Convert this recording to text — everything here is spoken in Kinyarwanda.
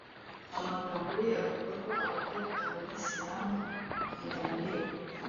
amagambo ye avuga ko abatari abayisilamubitabareba